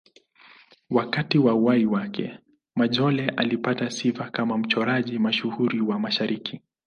Wakati wa uhai wake, Majolle alipata sifa kama mchoraji mashuhuri wa Mashariki.